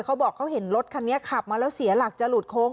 เขาบอกเขาเห็นรถคันนี้ขับมาแล้วเสียหลักจะหลุดโค้ง